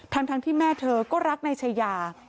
ทั้งที่แม่เธอก็รักนายชายา